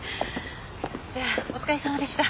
じゃあお疲れさまでした。